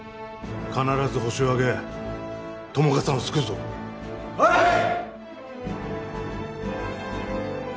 必ずホシを挙げ友果さんを救うぞはい！